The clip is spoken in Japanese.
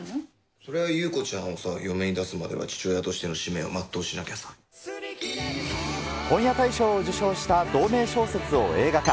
そりゃあ優子ちゃんを嫁に出すまでは父親としての使命を全う本屋大賞を受賞した同名小説を映画化。